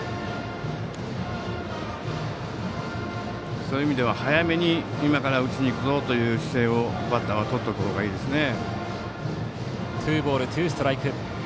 そういう意味では早めに今から打ちに行くぞという姿勢をバッターはとっておく方がいいですね。